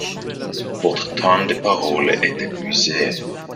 Votre temps de parole est épuisé.